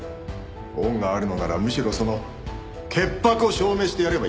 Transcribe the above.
恩があるのならむしろその潔白を証明してやればいいんだ。